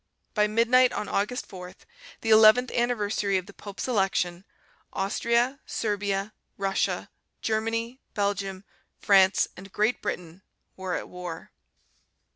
By midnight on August 4, the eleventh anniversary of the pope's election, Austria, Serbia, Russia, Germany, Belgium, France and Great Britain were at war.